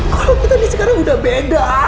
kalau kita nih sekarang udah beda